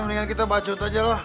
mendingan kita bacut aja loh